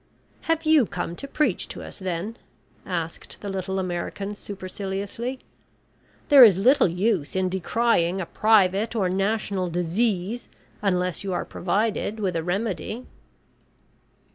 "Have you come to preach to us, then?" asked the little American superciliously. "There is little use in decrying a private or national disease unless you are provided with a remedy."